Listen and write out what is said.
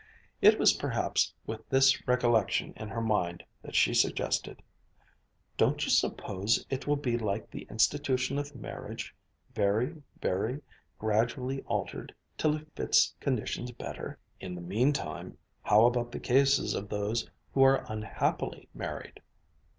It was perhaps with this recollection in her mind that she suggested, "Don't you suppose it will be like the institution of marriage, very, very gradually altered till it fits conditions better?" "In the meantime, how about the cases of those who are unhappily married?"